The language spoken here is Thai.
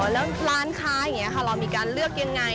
แล้วร้านค้าอย่างนี้ค่ะเรามีการเลือกยังไง